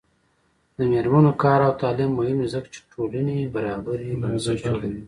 د میرمنو کار او تعلیم مهم دی ځکه چې ټولنې برابرۍ بنسټ جوړوي.